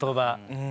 うん。